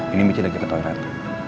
ini michi lagi ke toilet